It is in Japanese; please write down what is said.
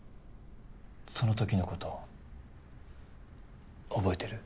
その時のこと覚えてる？